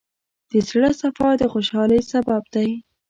د زړۀ صفا د خوشحالۍ سبب دی.